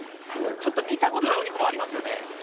見たことないお肉もありますよね。